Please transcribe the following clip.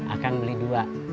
akan beli dua